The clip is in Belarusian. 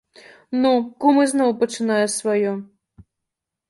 Ну, кум ізноў пачынае сваё!